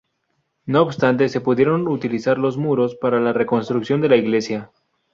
No obstante se pudieron utilizar los muros para la reconstrucción de la iglesia.